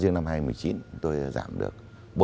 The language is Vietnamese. riêng năm hai nghìn một mươi chín tôi giảm được bốn hai